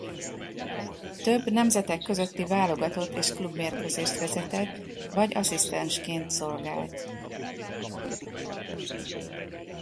Több nemzetek közötti válogatott és klubmérkőzést vezetett vagy asszisztensként szolgált.